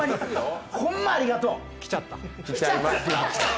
ホンマありがとう。来ちゃった。